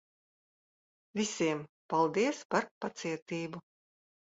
Visiem, paldies par pacietību.